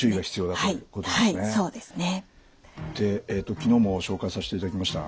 で昨日も紹介させていただきました